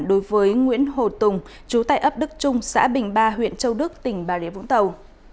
đối với nguyễn hồ tùng trú tại ấp đức trung xã bình ba huyện châu đức tỉnh bà rịa vũng tàu